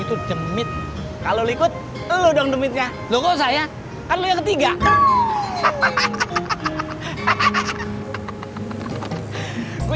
gue jalan dulu